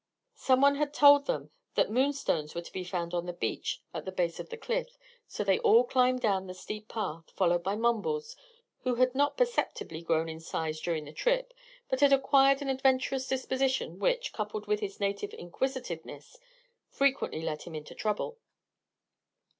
Some one had told them that moonstones were to be found on the beach at the base of the cliff; so they all climbed down the steep path, followed by Mumbles, who had not perceptibly grown in size during the trip but had acquired an adventurous disposition which, coupled with his native inquisitiveness, frequently led him into trouble.